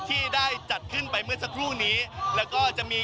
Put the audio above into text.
ที่ได้จัดขึ้นไปเมื่อสักครู่นี้